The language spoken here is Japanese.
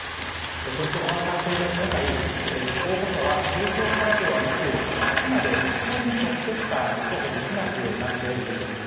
選挙法の改正で今回候補者は政党からではなくあくまで一個人としてしか立候補できなくなっているんです。